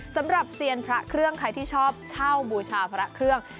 เซียนพระเครื่องใครที่ชอบเช่าบูชาพระเครื่อง